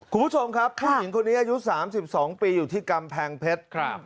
คุณผู้ชมครับผู้หญิงคนนี้อายุ๓๒ปีอยู่ที่กำแพงเพชร